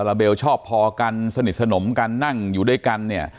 ลาเบลชอบพอกันสนิทสนมกันนั่งอยู่ด้วยกันเนี่ย